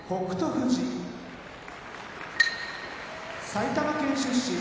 富士埼玉県出身